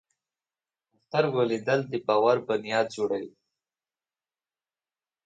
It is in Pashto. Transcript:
په سترګو لیدل د باور بنیاد جوړوي